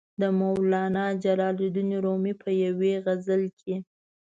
د مولانا جلال الدین رومي په یوې غزل کې.